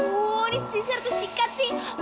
wuh ini sisir tuh sikat sih